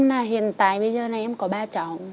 là hiện tại bây giờ này em có ba cháu